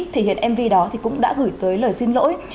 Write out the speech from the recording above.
thể hiện mv đó cũng đã gửi tới lời xin lỗi